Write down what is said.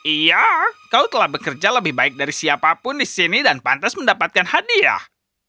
iya kau telah bekerja lebih baik dari siapapun di sini dan pantas mendapatkan hadiah